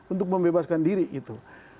untuk membebaskan diri gitu